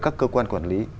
các cơ quan quản lý